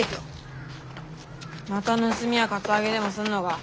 また盗みやカツアゲでもすんのか？